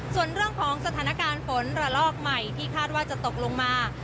ส่วนเรื่องของสถานการณ์ฝนระลอกใหม่ที่คาดว่าจะตกลงมา